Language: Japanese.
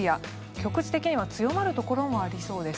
局地的には強まるところもありそうです。